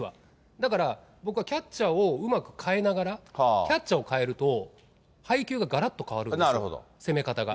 だから、僕はキャッチャーをうまく代えながら、キャッチャーを代えると配球ががらっと変わるんですよ、攻め方が。